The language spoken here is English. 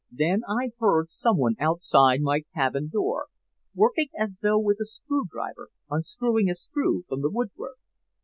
Then I heard someone outside my cabin door working as though with a screwdriver, unscrewing a screw from the woodwork.